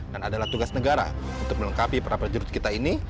dan adalah tugas negara untuk melengkapi prajurit kita ini